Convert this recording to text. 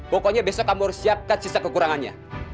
pokoknya besok kamu harus siapkan sisa kekurangannya